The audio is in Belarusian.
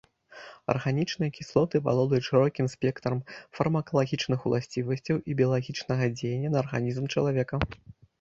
Арганічныя кіслоты валодаюць шырокім спектрам фармакалагічных уласцівасцяў і біялагічнага дзеяння на арганізм чалавека.